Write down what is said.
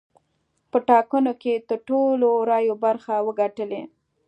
په ټاکنو کې یې د ټولو رایو برخه وګټلې.